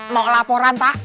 mau laporan pak